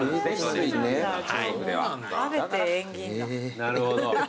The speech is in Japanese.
なるほど。